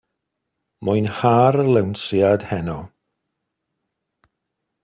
Mwynha'r lawnsiad heno.